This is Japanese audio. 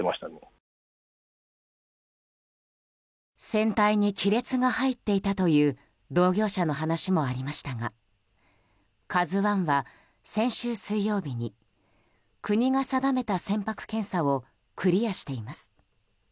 船体に亀裂が入っていたという同業者の話もありましたが「ＫＡＺＵ１」は先週水曜日に国が定めた船舶検査をクリアしています。